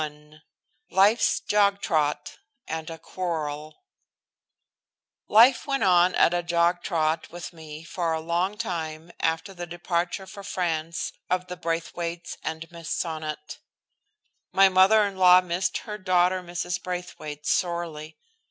XXI LIFE'S JOG TROT AND A QUARREL Life went at a jog trot with me for a long time after the departure for France of the Braithwaites and Miss Sonnot. My mother in law missed her daughter, Mrs. Braithwaite, sorely.